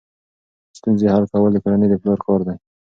ستونزې حل کول د کورنۍ د پلار کار دی.